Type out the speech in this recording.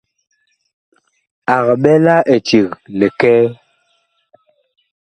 Ag ɓɛ la eceg likɛɛ.